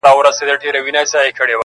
د کراري مو شېبې نه دي لیدلي!.